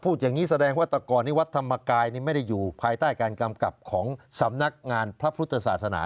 อย่างนี้แสดงว่าตะกรนิวัดธรรมกายไม่ได้อยู่ภายใต้การกำกับของสำนักงานพระพุทธศาสนา